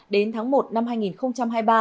đến tháng một năm hai nghìn hai mươi ba